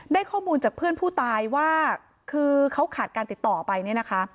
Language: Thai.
ได้ข้อมูลจากเพื่อนผู้ตายว่าคือเขาขาดการติดต่อไปเนี่ยนะคะ